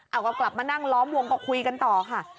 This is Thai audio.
เอาก็กลับมานั่งล้อมวงก็คุยกันต่อค่ะ